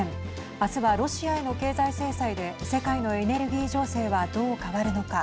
明日はロシアへの経済制裁で世界のエネルギー情勢はどう変わるのか。